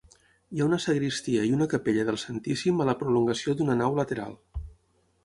Hi ha una sagristia i una capella del santíssim a la prolongació d'una nau lateral.